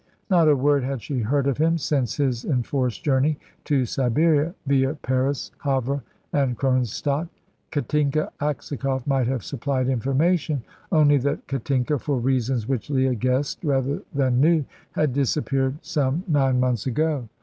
Not a word had she heard of him since his enforced journey to Siberia, via Paris, Havre, and Kronstadt. Katinka Aksakoff might have supplied information, only that Katinka, for reasons which Leah guessed rather than knew, had disappeared some nine months ago.